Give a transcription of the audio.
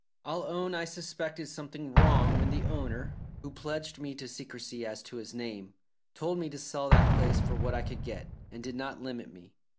"I'll own I suspected something wrong when the owner, who pledged me to secrecy as to his name, told me to sell that place for what I could get, and did not limit me.